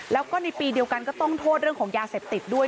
แล้วก็ในปีเดียวกันก็ต้องโทษเรื่องของยาเสพติดด้วย